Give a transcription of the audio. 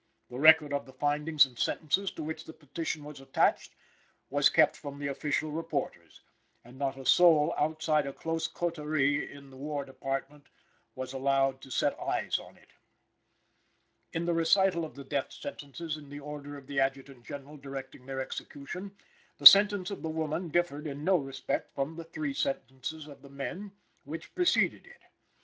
The record of the findings and sentences, to which the petition was attached, was kept from the official reporters, and not a soul outside a close coterie in the War Department was allowed to set eyes on it. In the recital of the death sentences in the order of the Adjutant General directing their execution, the sentence of the woman differed in no respect from the three sentences of the men which preceded it.